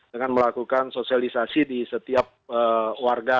dengan melakukan sosialisasi di setiap warga